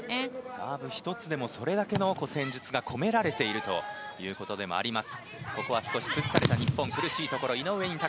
サーブ１つにでもそれだけの戦術が込められているということでもあります。